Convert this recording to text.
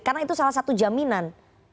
karena itu salah satu jaminan